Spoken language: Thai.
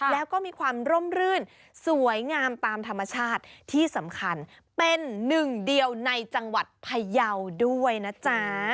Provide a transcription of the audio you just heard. แล้วก็มีความร่มรื่นสวยงามตามธรรมชาติที่สำคัญเป็นหนึ่งเดียวในจังหวัดพยาวด้วยนะจ๊ะ